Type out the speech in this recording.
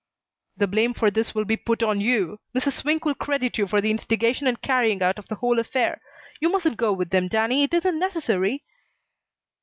"The blame for this will be put on you. Mrs. Swink will credit you with the instigation and carrying out of the whole affair. You mustn't go with them, Danny. It isn't necessary."